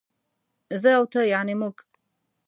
زه او ته يعنې موږ